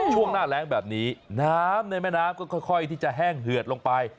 ช่วงหน้าแรงแบบนี้น้ำในแม่น้ำก็ค่อยที่จะแห้งเหือดลงไป